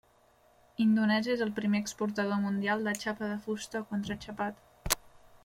Indonèsia és el primer exportador mundial de xapa de fusta o contraxapat.